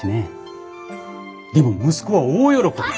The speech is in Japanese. でも息子は大喜び。